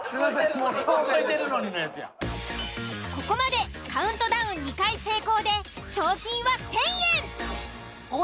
ここまでカウントダウン２回成功で賞金は１、０００円。